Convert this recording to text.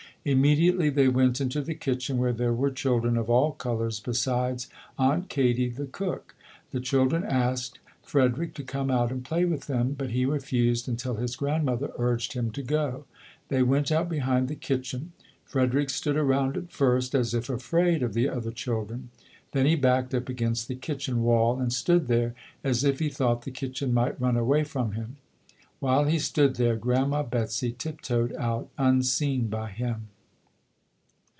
Immediately they went into the kitchen where there were children of all colors, besides Aunt Katie, the cook. The children asked Frederick to come out and play with them but he refused until his grandmother urged him to go. They went out behind the kitchen. Frederick stood around at first as if afraid of the other chil dren. Then he backed up against the kitchen wall and stood there as if he thought the kitchen might run away from him. While he stood there Grand ma Betsy tip toed out unseen by him.